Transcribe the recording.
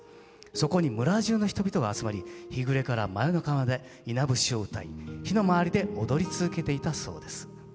そこに村じゅうの人々が集まり日暮れから真夜中まで「伊那節」をうたい火の周りで踊り続けていたそうです。